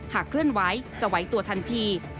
เคลื่อนไหวจะไหวตัวทันที